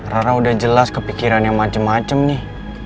rara udah jelas kepikiran nya macem macem nih